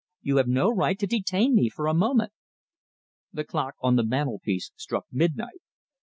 You have no right to detain me for a moment." The clock on the mantelpiece struck midnight.